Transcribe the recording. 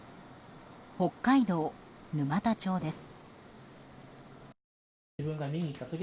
北海道沼田町です。